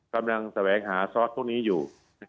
กำลังแสวงหาซอสทุกอย่างนี้อยู่